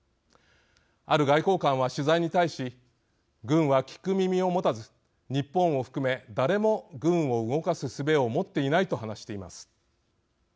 ある外交官は取材に対し軍は聞く耳をもたず日本を含め誰も軍を動かすすべを持っていないと話しています。